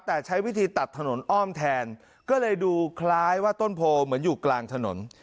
แต่ใช้วิธีตัดถนนอ้อมแทนก็เลยดูคล้ายว่าต้นโพเหมือนอยู่กลางถนน